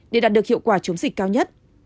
để đạt được hiệu quả chống dịch cao nhất